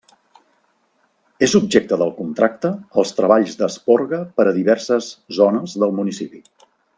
És objecte del contracte els treballs d'esporga per a diverses zones del municipi.